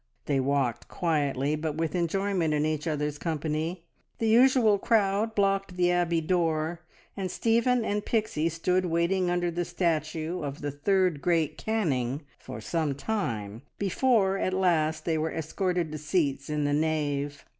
They walked quietly, but with enjoyment in each other's company. The usual crowd blocked the Abbey door, and Stephen and Pixie stood waiting under the statue of the "third great Canning" for some time, before at last they were escorted to seats in the nave.